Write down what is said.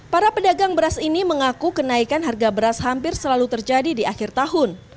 para pedagang beras ini mengaku kenaikan harga beras hampir selalu terjadi di akhir tahun